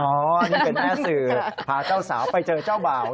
นี่เป็นแม่สื่อพาเจ้าสาวไปเจอเจ้าบ่าว